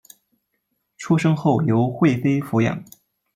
出生后由惠妃抚养。